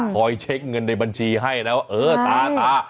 เช็คเงินในบัญชีให้แล้วเออตาตา